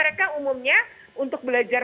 mereka umumnya untuk belajar